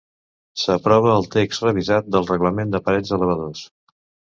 S'aprova el text revisat del Reglament d'Aparells Elevadors.